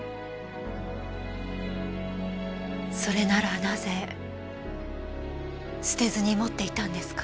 それならなぜ捨てずに持っていたんですか？